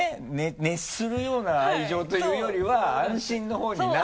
熱するような愛情というよりは安心の方になった。